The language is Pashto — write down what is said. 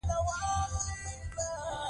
هغه په هیڅ شي اسره نه کوله. .